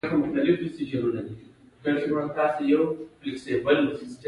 کوچنۍ کښتۍ له لارې د سیند دواړو غاړو ته تګ راتګ کوي